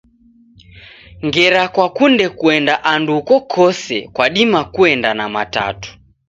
Ngera kwakunde kuende andu ukokose kwadima kuenda na Matatu.